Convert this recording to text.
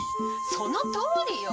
「そのとおりよ。